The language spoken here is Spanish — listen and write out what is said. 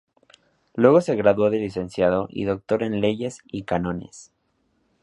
Luego se graduó de licenciado y doctor en Leyes y Cánones.